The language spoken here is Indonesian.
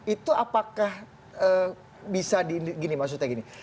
itu apakah bisa di gini maksudnya gini